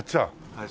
はい。